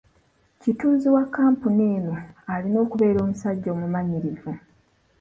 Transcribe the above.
Kitunzi wa kkampuni eno alina okubeera omusajja omumanyirivu.